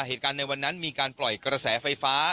เหตุการณ์ในวันนั้นมีการปล่อยกระแสไฟฟ้า